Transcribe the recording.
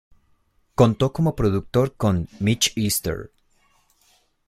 Contó como productor con Mitch Easter.